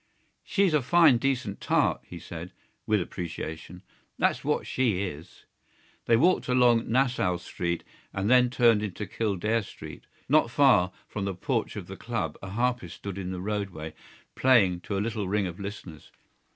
"She's a fine decent tart," he said, with appreciation; "that's what she is." They walked along Nassau Street and then turned into Kildare Street. Not far from the porch of the club a harpist stood in the roadway, playing to a little ring of listeners.